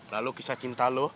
lalu kisah cinta lo